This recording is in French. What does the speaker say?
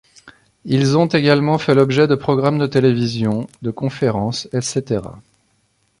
Ils ont également fait l'objet de programmes de télévision, de conférences etc.